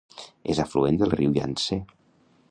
És afluent del riu Yangtze.